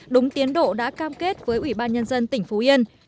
đúng tiến độ đã cam kết với ủy ban nhân dân tỉnh phú yên